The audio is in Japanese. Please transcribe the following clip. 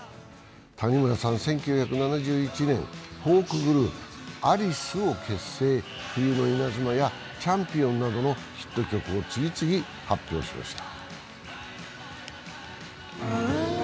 谷村さん、１９７１年、フォークグループ・アリスを結成、「冬の稲妻」や「チャンピオン」などのヒット曲を次々発表しました。